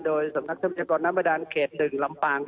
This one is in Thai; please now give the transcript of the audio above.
โดยสำนักทรัพยากรน้ำประดานเขต๑ลำปาง